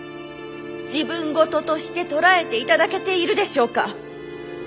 自分事として捉えていただけているでしょうか。